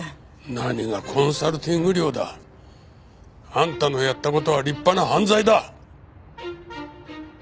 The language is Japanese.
何がコンサルティング料だ。あんたのやった事は立派な犯罪だ。